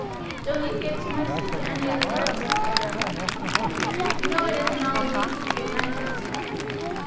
"Don't you give too much tick to any of the fellows, Mother Brown," he began. "You know it isn't always easy to get money that's owing."